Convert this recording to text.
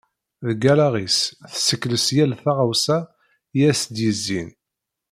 Deg alaɣ-is tessekles yal taɣawsa i as-d-yezzin.